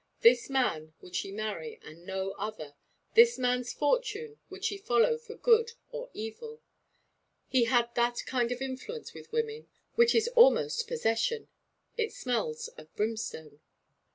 This man would she marry and no other; this man's fortune would she follow for good or evil. He had that kind of influence with women which is almost 'possession.' It smells of brimstone.